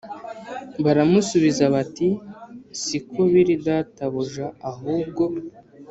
Baramusubiza bati si ko biri databuja ahubwo